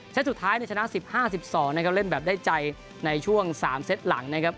เซตสุดท้ายเนี้ยชนะสิบห้าสิบสองนะครับเล่นแบบได้ใจในช่วงสามเซตหลังนะครับ